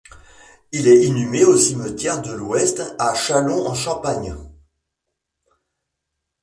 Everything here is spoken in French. Il est inhumé au Cimetière de l'Ouest à Châlons-en-Champagne.